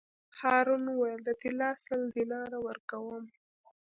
هارون وویل: د طلا سل دیناره ورکووم.